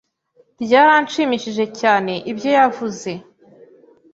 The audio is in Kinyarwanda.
Byaranshimishije cyane ibyo yavuze!